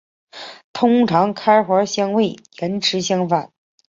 通常开环相位延迟反相。